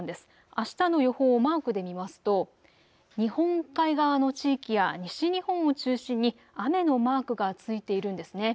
あしたの予報をマークで見ますと日本海側の地域や西日本を中心に雨のマークがついているんですね。